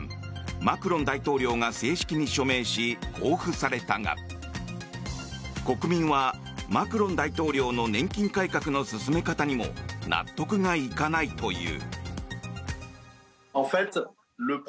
マクロン大統領が正式に署名し公布されたが国民はマクロン大統領の年金改革の進め方にも納得がいかないという。